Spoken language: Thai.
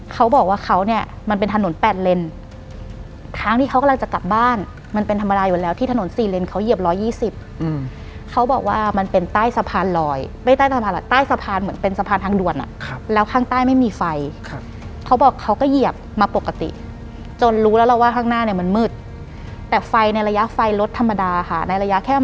เขาบอกว่าเขาเนี่ยมันเป็นถนนแปดเลนทางที่เขากำลังจะกลับบ้านมันเป็นธรรมดาอยู่แล้วที่ถนนสี่เลนเขาเหยียบร้อยยี่สิบอืมเขาบอกว่ามันเป็นใต้สะพานลอยไม่ใต้สะพานลอยใต้สะพานเหมือนเป็นสะพานทางด่วนอ่ะครับแล้วข้างใต้ไม่มีไฟครับเขาบอกเขาก็เหยียบมาปกติจนรู้แล้วเราว่าข้างหน้าเนี่ยมันมืดแต่ไฟในระยะไฟรถธรรมดาค่ะในระยะแค่